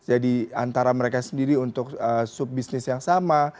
jadi antara mereka sendiri untuk sub bisnis yang sama